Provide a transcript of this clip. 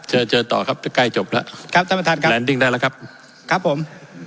เจอเจอต่อครับจะใกล้จบแล้วครับท่านประธานครับแนนดิ้งได้แล้วครับครับผม